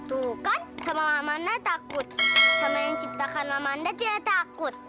tuh kan sama lama anda takut sama yang ciptakan lama anda tidak takut